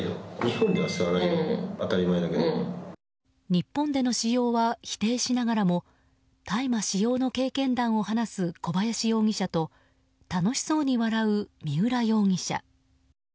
日本での使用は否定しながらも大麻使用の経験談を話す小林容疑者と楽しそうに笑う三浦容疑者。